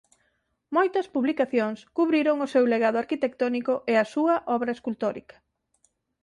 Moitas publicacións cubriron o seu legado arquitectónico e a súa obra escultórica.